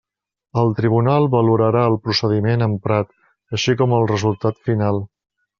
El tribunal valorarà el procediment emprat, així com el resultat final.